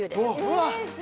うわっ